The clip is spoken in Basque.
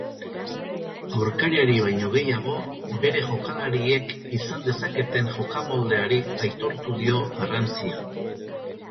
Aurkariari baino gehiago, bere jokalariek izan dezaketen jokamoldeari aitortu dio garrantzia.